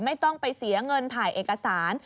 ไม่ต้องไปเสียเงินถ่ายเอกสาร